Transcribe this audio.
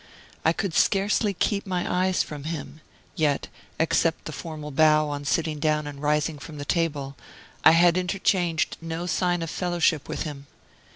I could scarcely keep my eyes from him; yet, except the formal bow on sitting down and rising from the table, I had interchanged no sign of fellowship with him.